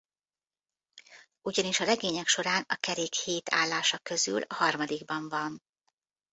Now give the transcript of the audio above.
Ugyanis a regények során a Kerék hét állása közül a harmadikban van.